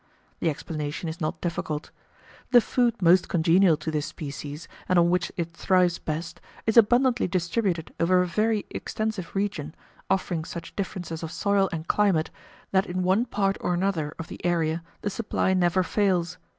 The explanation is not difficult. The food most congenial to this species, and on which it thrives best, is abundantly distributed over a very extensive region, offering such differences of soil and climate, that in one part or another of the area the supply never fails.